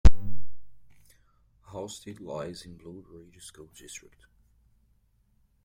Hallstead lies in Blue Ridge School District.